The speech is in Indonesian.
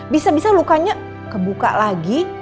bisa bisa lukanya kebuka lagi